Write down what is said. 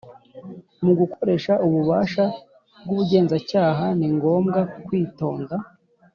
Mu gukoresha ububasha bw’ubugenzacyaha ni ngombwa kwitonda